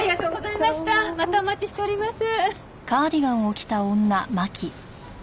またお待ちしております。